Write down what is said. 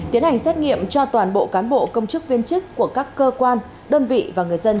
tiến hành xét nghiệm cho toàn bộ cán bộ công chức viên chức của các cơ quan đơn vị và người dân